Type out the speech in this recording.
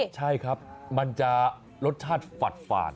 ใช่ครับมันจะรสชาติฝาด